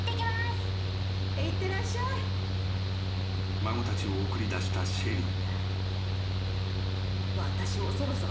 ［孫たちを送り出したシェリー］